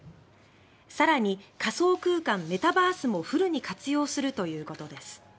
更に、仮想空間・メタバースもフルに活用するということです。